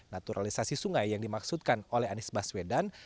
naturalisasi sungai yang dimaksudkan oleh anies baswedan